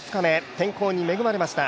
天候に恵まれました。